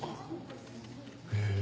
へえ。